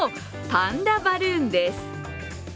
パンダバルーンです。